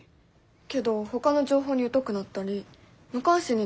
けどほかの情報に疎くなったり無関心になったりしない？